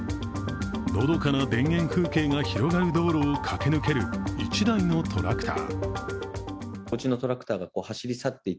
のどかな田園風景が広がる道路を駆け抜ける１台のトラクター。